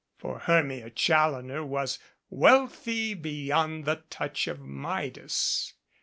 For Hermia Challoner was wealthy beyond the touch of Midas.